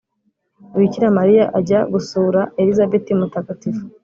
bikira mariya ajya gusura elizabeti mutagatifu